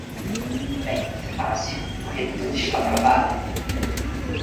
Bem, muito fácil: porque tudo está aprovado!